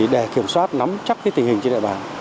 để kiểm soát nắm chắc tình hình trên địa bàn